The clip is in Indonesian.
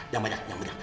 yang banyak yang banyak